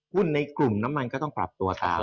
หุ้นในกลุ่มน้ำมันก็ต้องปรับตัวตาม